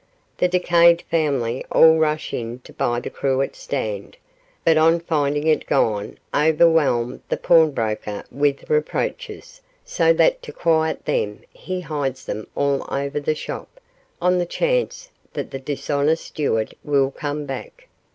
The decayed family all rush in to buy the cruet stand, but on finding it gone, overwhelm the pawnbroker with reproaches, so that to quiet them he hides them all over the shop, on the chance that the dishonest steward will come back.